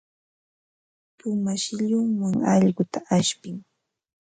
Puma shillunwan allquta ashpin.